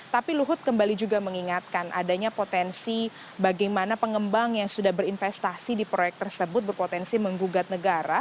tapi luhut kembali juga mengingatkan adanya potensi bagaimana pengembang yang sudah berinvestasi di proyek tersebut berpotensi menggugat negara